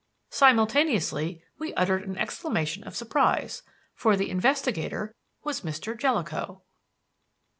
Simultaneously we uttered an exclamation of surprise; for the investigator was Mr. Jellicoe.